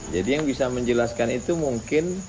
jadi yang bisa menjelaskan itu mungkin